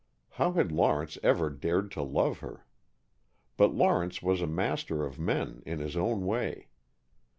How had Lawrence ever dared to love her? But Lawrence was a master of men, in his own way.